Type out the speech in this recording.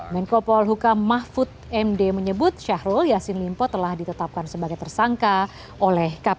menko polhuka mahfud md menyebut syahrul yassin limpo telah ditetapkan sebagai tersangka oleh kpk